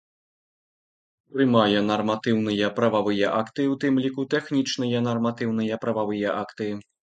Прымае нарматыўныя прававыя акты, у тым лiку тэхнiчныя нарматыўныя прававыя акты.